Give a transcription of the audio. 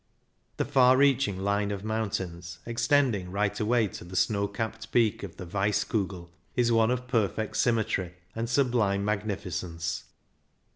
The far reaching line of mountains, extending right away to the snow capped peak of the Weiss Kugel, is one of perfect symmetry and sublime magnificence.